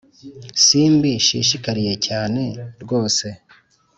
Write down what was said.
Simbi shishikariye cyane, rwose